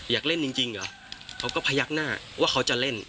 อยากเล่นจริงเหรอเขาก็พยักหน้าว่าเขาจะเล่น